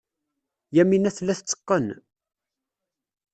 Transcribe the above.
Yamina tella tetteqqen.